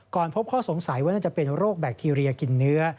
พบข้อสงสัยว่าน่าจะเป็นโรคแบคทีเรียกินเนื้อ